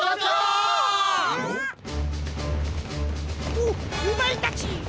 おおおまえたち。